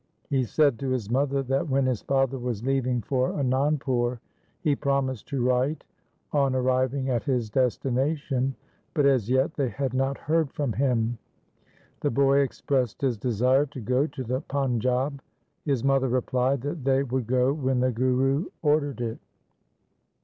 He said to his mother that when his father was leaving for Anandpur he promised to write on arriving at his destination, but as yet they had not heard from him. The boy expressed his desire to go to the Panjab. His mother replied that they would go when the Guru ordered it.